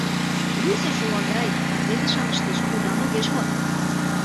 Люся — шолагай — рвезе-шамыч деч удан огеш мод.